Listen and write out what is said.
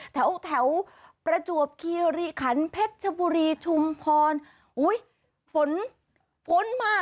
แถวประจวบคียริขันเพชรบุรีชุมพรอุ๊ยฝนมา